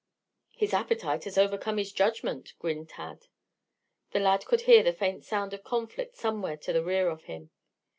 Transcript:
"His appetite has overcome his judgment," grinned Tad. The lad could hear the faint sound of conflict somewhere to the rear of him.